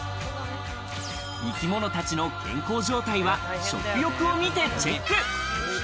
生き物たちの健康状態は食欲を見てチェック。